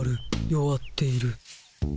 弱っている。